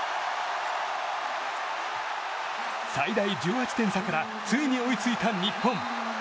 最大１８点差からついに追いついた日本。